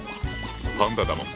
パンダだもん。